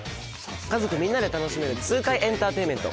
家族みんなで楽しめる痛快エンターテインメント。